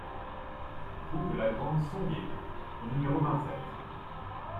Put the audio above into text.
Rue de la Grande Somgué au numéro vingt-sept